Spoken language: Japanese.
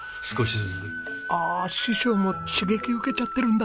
ああ師匠も刺激受けちゃってるんだ。